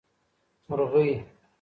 مرغۍ 🐦